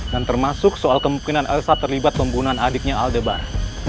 dan termasuk soal kemungkinan elsa terlibat pembunuhan adiknya aldebar